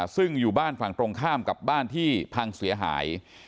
ซึ่งอยู่บ้านฝั่งตรงข้ามกับบ้านที่พังเสียหาย